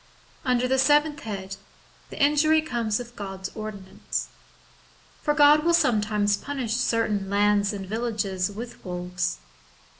Under the seventh head, the injury comes of God's ordinance. For God wiU sometimes punish certain lands and villages with wolves.